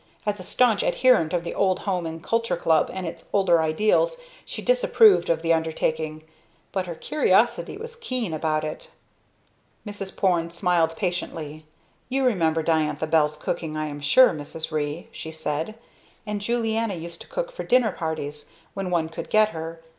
As a staunch adherent of the old Home and Culture Club, and its older ideals, she disapproved of the undertaking, but her curiosity was keen about it. Mrs. Porne smiled patiently. "You remember Diantha Bell's cooking I am sure, Mrs. Ree," she said. "And Julianna used to cook for dinner parties when one could get her.